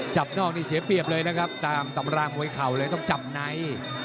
จับนอกนี่เสียเปรียบเลยนะครับตามตำรางมวยเข่าเลยต้องจับใน